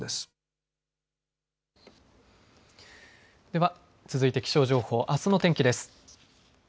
では、続いて気象情報あすの天気です。